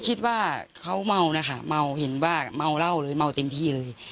คิดว่าเขาเมานะคะเมาเห็นว่าเมาเหล้าเลยเมาเต็มที่เลย